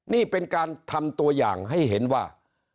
นี่เป็นการทำตัวอย่างให้เห็นว่า